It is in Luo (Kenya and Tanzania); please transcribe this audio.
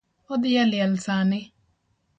Odhi e liel sani